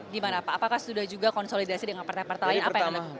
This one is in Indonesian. gimana pak apakah sudah juga konsolidasi dengan partai partai lain apa yang anda lakukan